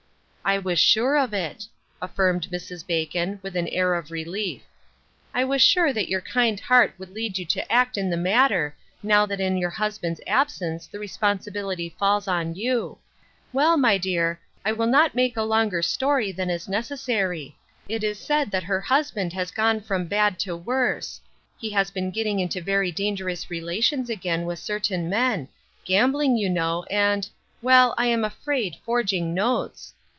" I was sure of it," affirmed Mrs. Bacon, with an air of relief. " I was sure that your kind heart would lead you to act in the matter, now that in your husband's absence the responsibility falls on you. Well, my dear, I will not make a longer story than is necessary. It is said that her hus band has gone from bad to worse. He has been 312 UNDER GUIDANCE. getting into very dangerous relations again with certain men ; gambling, you know, and — well, I am afraid, forging notes.